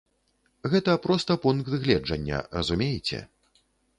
Гэта проста пункт гледжання, разумееце.